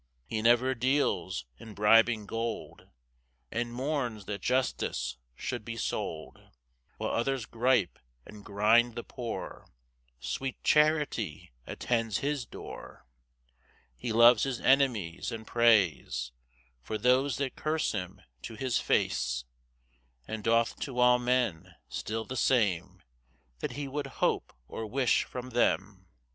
] 5 [He never deals in bribing gold, And mourns that justice should be sold: While others gripe and grind the poor, Sweet charity attends his door.] 6 [He loves his enemies, and prays For those that curse him to his face; And doth to all men still the same That he would hope or wish from them.